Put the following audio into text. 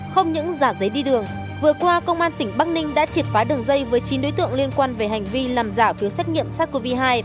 không những giả giấy đi đường vừa qua công an tỉnh bắc ninh đã triệt phá đường dây với chín đối tượng liên quan về hành vi làm giả phiếu xét nghiệm sars cov hai